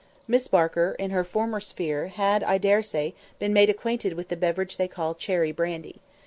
Miss Barker, in her former sphere, had, I daresay, been made acquainted with the beverage they call cherry brandy.